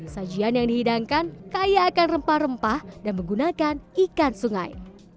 sajian yang dihidangkan kaya akan rempah rempah dan menggunakan ikan sungai